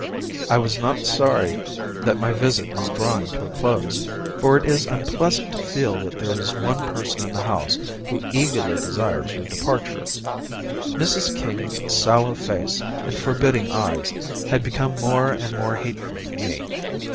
I was not sorry that my visit was drawing to a close, for it is unpleasant to feel that there is one person in the house who eagerly desires your departure. Mrs. King's sallow face and forbidding eyes had become more and more hateful to me.